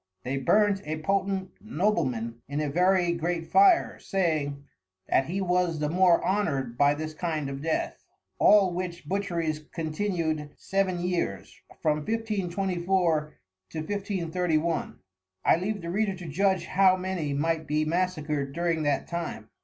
They burnt a Potent Nobleman in a very great Fire, saying, That he was the more Honour'd by this kind of Death. All which Butcheries continued Seven Years, from 1524, to 1531. I leave the Reader to judge how many might be Massacred during that time.